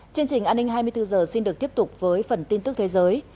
chương trình an ninh hai mươi bốn h xin được tiếp tục với phần tin tức thế giới